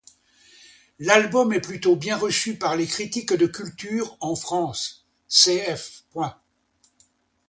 L'album est plutôt bien reçu par les critiques de culture en France, cf.